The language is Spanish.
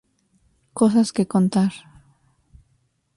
Cosas que contar